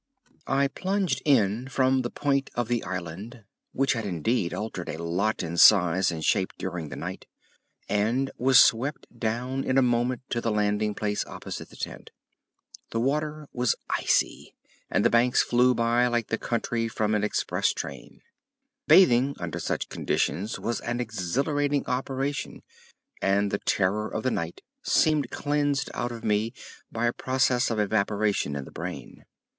I plunged in from the point of the island, which had indeed altered a lot in size and shape during the night, and was swept down in a moment to the landing place opposite the tent. The water was icy, and the banks flew by like the country from an express train. Bathing under such conditions was an exhilarating operation, and the terror of the night seemed cleansed out of me by a process of evaporation in the brain.